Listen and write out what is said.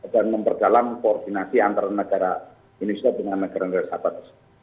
dan memperjalankan koordinasi antara negara indonesia dengan negara negara sabah